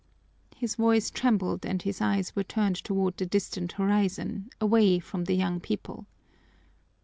His voice trembled and his eyes were turned toward the distant horizon, away from the young people.